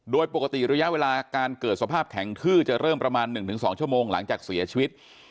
โดยปกติระยะเวลาการเกิดสภาพแข็งทื้อจะเริ่มประมาณ๑๒ชั่วโมงหลังจากเสียชีวิต